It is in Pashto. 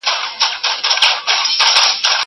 دا ځواب له هغه روښانه دی!